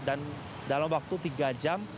dan dalam waktu tiga jam